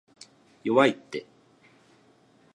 弱いって